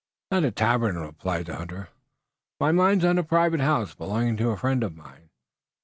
"Not a tavern," replied the hunter. "My mind's on a private house, belonging to a friend of mine.